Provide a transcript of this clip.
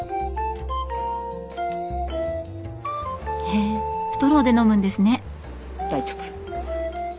へえストローで飲むんですね。